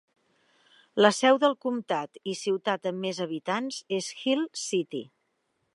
La seu del comtat i ciutat amb més habitants és Hill City.